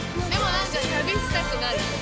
何か旅したくなる。